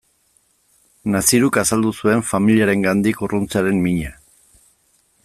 Naziruk azaldu zuen familiarengandik urruntzearen mina.